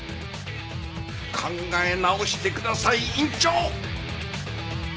考え直してください院長！